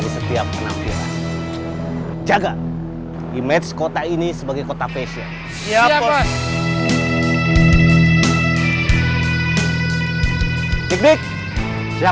udah gak usah ngomongin dia